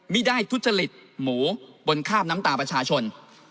ไม่ได้ทุจริตหมูบนคาบน้ำตาประชาชน